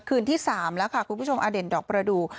คืนที่๓แล้วค่ะคุณผู้ชมอเด่นดอกประดูก